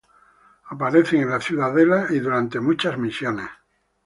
Aparecen en la ciudadela y durante muchas misiones.